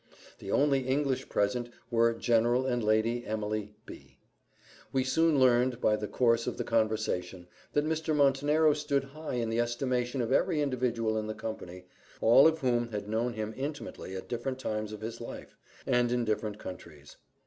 The only English present were General and Lady Emily B . We soon learned, by the course of the conversation, that Mr. Montenero stood high in the estimation of every individual in the company, all of whom had known him intimately at different times of his life, and in different countries.